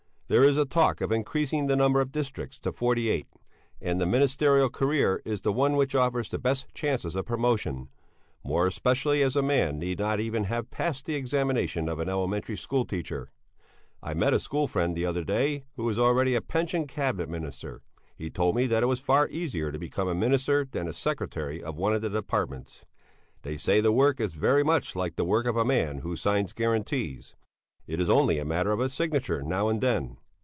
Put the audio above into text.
There is a talk of increasing the number of the districts to forty eight, and the Ministerial career is the one which offers the best chances of promotion, more especially as a man need not even have passed the examination of an elementary school teacher. I met a school friend the other day who is already a pensioned Cabinet Minister; he told me that it was far easier to become a Minister than a secretary of one of the departments; they say the work is very much like the work of a man who signs guarantees it is only a matter of a signature now and then!